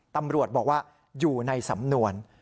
ตำรวจบอกว่าอยู่ในสำนวน